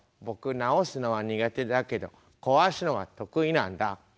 僕直すのは苦手だけど壊すのは得意なんだ。